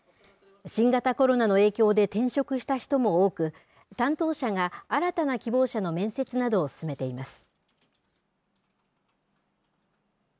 新型コロナの影響で転職した人も多く、担当者が新たな希望者の面接などを進めています。